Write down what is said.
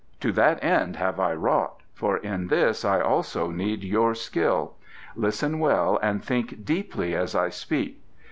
"To that end have I wrought, for in this I also need your skill. Listen well and think deeply as I speak.